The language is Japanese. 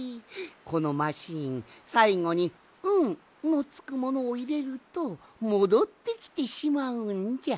このマシーンさいごに「ん」のつくものをいれるともどってきてしまうんじゃ。